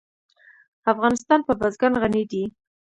افغانستان په بزګان غني دی.